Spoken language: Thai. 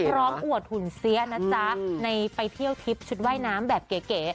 อวดหุ่นเสียนะจ๊ะในไปเที่ยวทริปชุดว่ายน้ำแบบเก๋